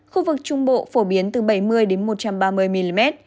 khu vực trung bộ phổ biến từ bảy mươi một trăm ba mươi mm